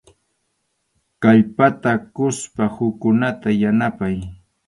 Kallpata quspa hukkunata yanapay.